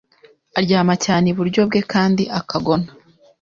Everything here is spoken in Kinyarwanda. aryama cyane iburyo bwe kandi akagona